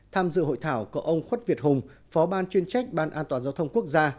tham dự hội thảo có ông khuất việt hùng phó ban chuyên trách ban an toàn giao thông quốc gia